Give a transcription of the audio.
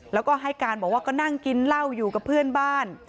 แล้วก็ให้การบอกว่าก็นั่งกินเหล้าอยู่กับเพื่อนบ้าน